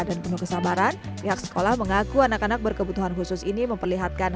dan penuh kesabaran pihak sekolah mengaku anak anak berkebutuhan khusus ini memperlihatkan